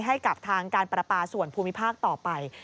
ให้กับทางการประปาส่วนภูมิภาคต่อไป